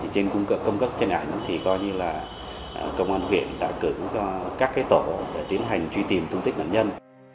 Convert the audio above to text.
trên cung cấp trên ảnh thì coi như là công an huyện đã cử cho các tổ để tiến hành truy tìm tung tích nạn nhân